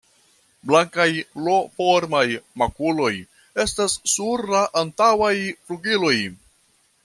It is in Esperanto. Blankaj L-formaj makuloj estas sur la antaŭaj flugiloj.